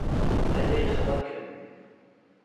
Aya yexḍa-kem.